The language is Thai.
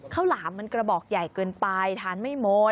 หลามมันกระบอกใหญ่เกินไปทานไม่หมด